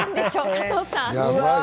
加藤さん。